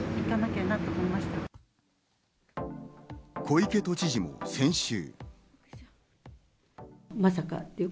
小池都知事も先週。